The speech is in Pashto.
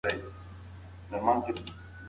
شاه شجاع حق نه درلود چي خپلو سپایانو ته امر وکړي.